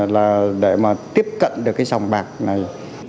là để mà tiếp cận được cái sòng bạc này